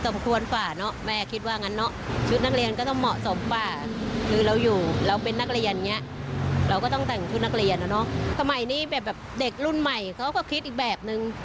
แบบเด็กรุ่นใหม่เขาก็คิดอีกแบบนึง